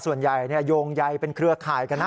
ส่วนใหญ่โยงใยเป็นเครือข่ายกันนะ